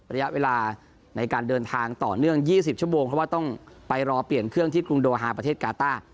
ระยะเวลาในการเดินทางต่อเนื่อง๒๐ชั่วโมงเพราะว่าต้องไปรอเปลี่ยนเครื่องที่กรุงโดฮาประเทศกาต้า